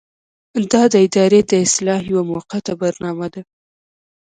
دا د ادارې د اصلاح یوه موقته برنامه ده.